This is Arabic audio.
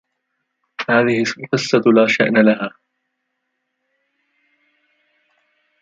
هذه القصة لا شأن لها